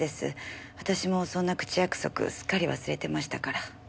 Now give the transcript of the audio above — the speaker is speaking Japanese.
私もそんな口約束すっかり忘れてましたから。